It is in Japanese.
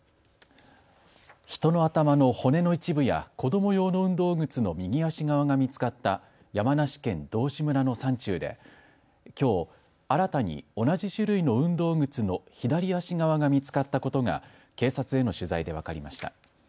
人の頭の骨の一部や子ども用の運動靴の右足側が見つかった山梨県道志村の山中できょう新たに同じ種類の運動靴の左足側が見つかったことが警察への取材で分かりました。